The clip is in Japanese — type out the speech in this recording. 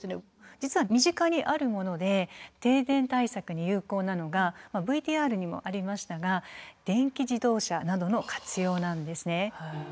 実は身近にあるもので停電対策に有効なのがＶＴＲにもありましたが電気自動車などの活用なんですね。